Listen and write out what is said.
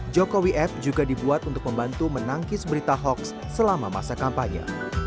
jokowi app juga dibuat untuk membantu menangkis berita hoax selama masa kampanye